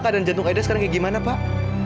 keadaan jantung kaedah sekarang kayak gimana pak